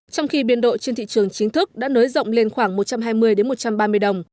trong khi biên độ trên thị trường chính thức đã nới rộng lên khoảng một trăm hai mươi một trăm ba mươi đồng